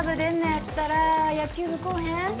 やったら野球部来おへん？